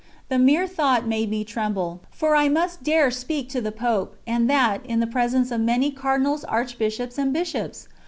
The mere thought made me tremble, for I must dare speak to the Pope, and that, in presence of many Cardinals, Archbishops, and Bishops!